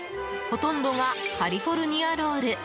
ほとんどがカリフォルニアロール。